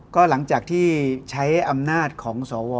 ก็หลังจากที่ใช้อำนาจของสว